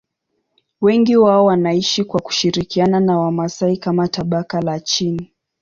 Wengi wao wanaishi kwa kushirikiana na Wamasai kama tabaka la chini.